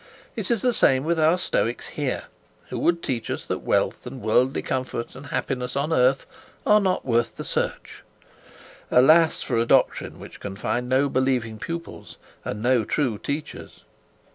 It is the same with our Stoics here, who would teach us that wealth and worldly comfort and happiness on earth are not worth the search. Also, for a doctrine which can find no believing pupils and no true teachers!